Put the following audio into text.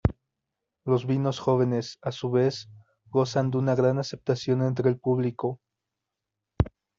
Los vinos jóvenes, a su vez, gozan de una gran aceptación entre el público.